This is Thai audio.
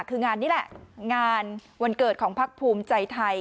คืองานนี้แหละงานวันเกิดของพักภูมิใจไทย